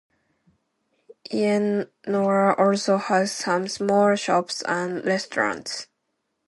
Yennora also has some small shops and restaurants.